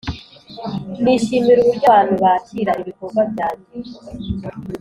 nishimira uburyo abantu bakira ibikorwa byange,